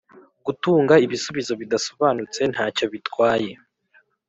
gutanga ibisubizo bidasobanutse nta cyo bitwaye